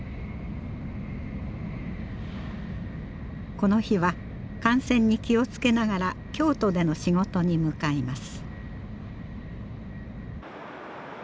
この日は感染に気を付けながら京都での仕事に向かいます。